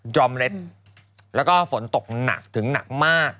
รอมเร็ดแล้วก็ฝนตกหนักถึงหนักมาก